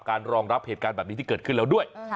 รองรับเหตุการณ์แบบนี้ที่เกิดขึ้นแล้วด้วย